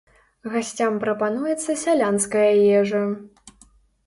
Гасцям прапануецца сялянская ежа.